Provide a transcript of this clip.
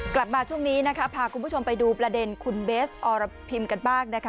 กลับมาช่วงนี้นะคะพาคุณผู้ชมไปดูประเด็นคุณเบสอรพิมกันบ้างนะคะ